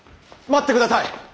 待ってください！